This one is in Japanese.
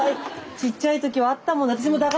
ちっちゃい時はあったもんな。